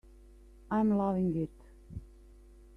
I'm loving it.